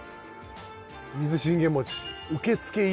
「水信玄餅受付入口」